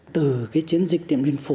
từ cái chiến dịch điện biên phủ